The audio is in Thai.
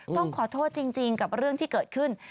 ต้องขอโทษจริงกับเรื่องที่เกิดขึ้น